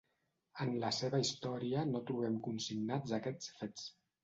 En la seva història no trobem consignats aquests fets.